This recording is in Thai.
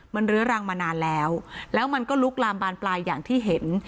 มันเรื้อรังมานานแล้วแล้วมันก็ลุกลามบานปลายอย่างที่เห็น